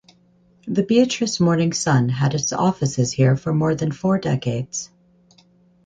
The "Beatrice Morning Sun" had its offices here for more than four decades.